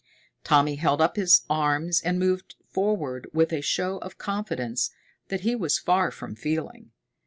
Tommy held up his arms and moved forward with a show of confidence that he was far from feeling.